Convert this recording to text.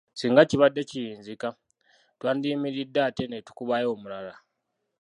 Singa kibadde kiyinzika, twandiyimiridde ate ne tukubayo omulala.